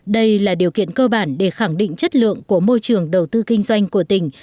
đây là điều kiện cơ bản để khẳng định chất lượng của môi trường đầu tư kinh doanh của tỉnh